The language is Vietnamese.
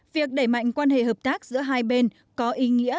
việc đẩy mạnh quan hệ hợp tác giữa hai bên có ý nghĩa